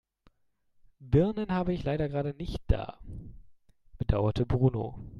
"Birnen habe ich leider gerade nicht da", bedauerte Bruno.